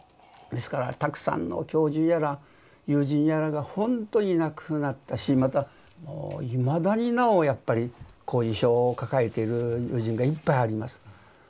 ですからたくさんの教授やら友人やらがほんとに亡くなったしまたいまだになおやっぱり後遺症を抱えてる友人がいっぱいあります。